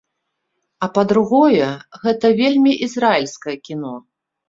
А, па-другое, гэта вельмі ізраільскае кіно.